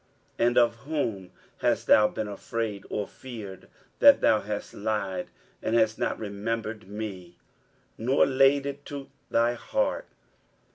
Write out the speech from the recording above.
23:057:011 And of whom hast thou been afraid or feared, that thou hast lied, and hast not remembered me, nor laid it to thy heart?